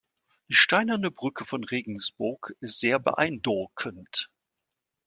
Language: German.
Die steinerne Brücke von Regensburg ist sehr beeindurckend.